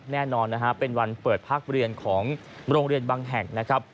แน่นอนนะฮะเป็นวันเปิดพักเรียนของโรงเรียนบางแห่งนะครับ